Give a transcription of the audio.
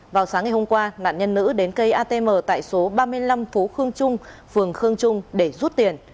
vào sáng ngày hôm qua nạn nhân nữ đến cây atm tại số ba mươi năm phố khương trung phường khương trung để rút tiền